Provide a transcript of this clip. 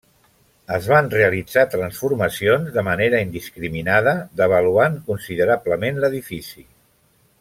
Es van realitzar transformacions de manera indiscriminada, devaluant considerablement l'edifici.